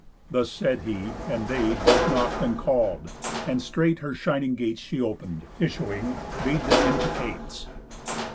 Thus said he, and they Both knock'd, and call'd; and straight her shining gates She open'd, issuing, bade them in to cates.